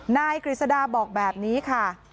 นายกริสดาบอกแบบนี้ค่ะ